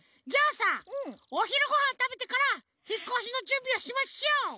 じゃあさおひるごはんたべてからひっこしのじゅんびをしましょう！